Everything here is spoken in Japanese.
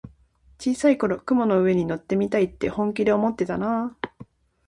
小さい頃、雲の上に乗ってみたいって本気で思ってたなあ。